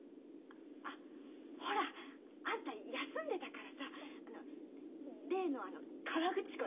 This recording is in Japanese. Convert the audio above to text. あっほらあんた休んでたからさ例のあの河口湖よ。